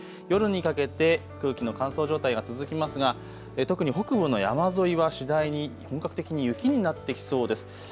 夜にかけて空気の乾燥状態が続きますが特に北部の山沿いは次第に本格的に雪になってきそうです。